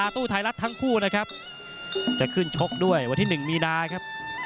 ที่ราชภัทรบ๑มีนา